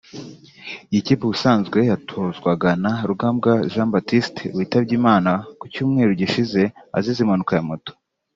Iyi kipe ubusanzwe yatozwaga na Rugambwa Jean Baptiste witabye Imana ku cyumweru gishize azize impanuka ya moto